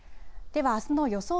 では、あすの予想